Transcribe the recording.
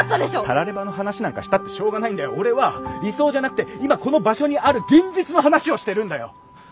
たらればの話なんかしたってしょうがないんだよ。俺は理想じゃなくて今この場所にある現実の話をしてるんだよ。